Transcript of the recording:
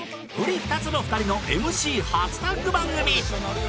瓜二つの２人のＭＣ初タッグ番組！